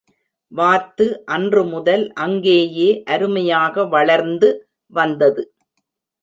வாத்து அன்று முதல் அங்கேயே அருமையாக வளர்ந்து வந்தது.